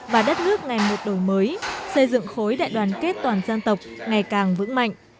và đất nước ngày một đổi mới xây dựng khối đại đoàn kết toàn dân tộc ngày càng vững mạnh